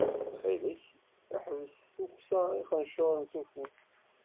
Ttxil-k ḥbes tukksa n ixenčuren s ufus!